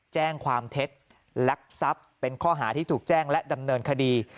แจ้งความเท็จลักทรัพย์เป็นข้อหาที่ถูกแจ้งและดำเนินคดี